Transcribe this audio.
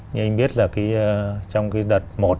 như anh biết là trong cái đợt một